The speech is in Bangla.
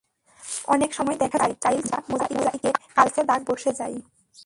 অনেক সময় দেখা যায়, টাইলস কিংবা মোজাইকে কালচে দাগ বসে যায়।